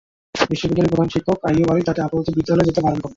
বিদ্যালয়ের প্রধান শিক্ষক আইয়ুব আলী তাকে আপাতত বিদ্যালয়ে যেতে বারণ করেন।